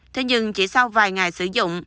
thế nhưng chỉ sau vài ngày sử dụng